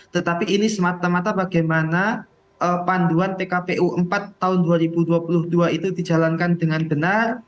tetapi ini semata mata bagaimana panduan pkpu empat tahun dua ribu dua puluh dua itu dijalankan dengan benar